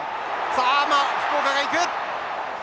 さあ福岡が行く！